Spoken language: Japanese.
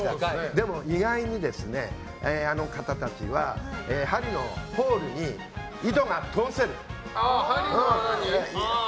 でも意外にあの方たちは針のホールに糸が通せる。